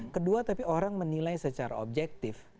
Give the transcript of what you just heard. kedua tapi orang menilai secara objektif